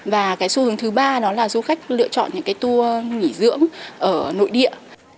và cái xu hướng thứ ba đó là du khách lựa chọn những cái tour nghỉ dưỡng ở nội địa